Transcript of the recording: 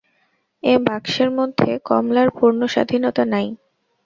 এ বাক্সের মধ্যে কমলার পূর্ণস্বাধীনতা নাই।